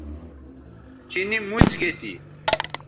چینی موڅ گے تھی